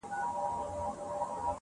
نوي نوي تختې غواړي کنې یاره ,